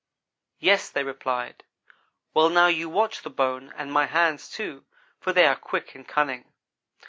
"'Yes,' they replied. "'Well, now you watch the bone and my hands, too, for they are quick and cunning.'